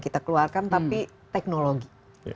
kita keluarkan tapi teknologi